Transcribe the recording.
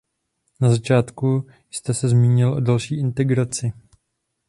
Na začátku jste se zmínil o další integraci.